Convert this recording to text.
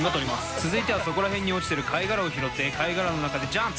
続いてはそこら辺に落ちてる貝殻を拾って貝殻の中でジャンプ！